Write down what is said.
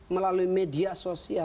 melalui media sosial